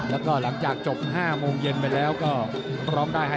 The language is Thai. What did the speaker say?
เช้าขอบคุณครับ